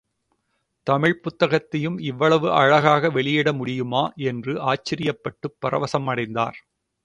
தமிழ்ப் புத்தகத்தையும் இவ்வளவு அழகாக வெளியிட முடியுமா என்று ஆச்சரியப்பட்டுப் பரவசமடைந்தார்.